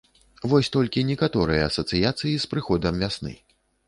Вось толькі некаторыя асацыяцыі з прыходам вясны.